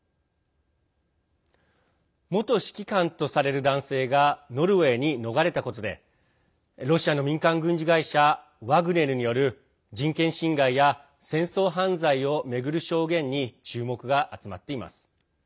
元指揮官とされる男性がノルウェーに逃れたことでロシアの民間軍事会社ワグネルによる人権侵害や戦争犯罪を巡る証言に注目が集まっています。